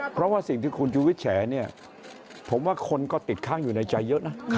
เพราะว่าสิ่งที่คุณชุวิตแฉเนี่ยผมว่าคนก็ติดค้างอยู่ในใจเยอะนะ